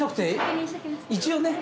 一応ね。